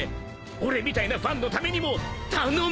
俺みたいなファンのためにも頼むべ！